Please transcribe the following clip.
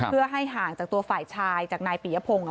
เพื่อให้ห่างจากตัวฝ่ายชายจากนายปียพงศ์